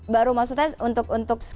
baru maksudnya untuk sekarang